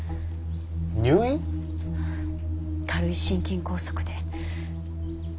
入院？軽い心筋梗塞で。